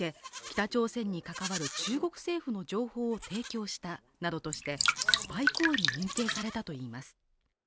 北朝鮮に関わる中国政府の情報を提供したなどとしてスパイ行為に認定されたといいます。